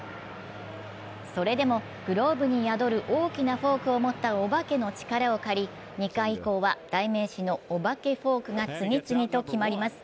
それでもグローブに宿る大きなフォークを持ったお化けの力を借り２回以降は代名詞のお化けフォークが次々と決まります。